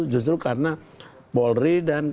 justru karena polri dan